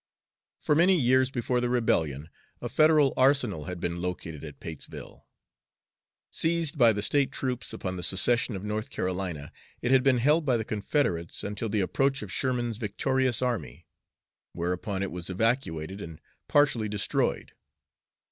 For many years before the rebellion a Federal arsenal had been located at Patesville. Seized by the state troops upon the secession of North Carolina, it had been held by the Confederates until the approach of Sherman's victorious army, whereupon it was evacuated and partially destroyed.